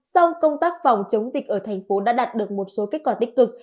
song công tác phòng chống dịch ở thành phố đã đạt được một số kết quả tích cực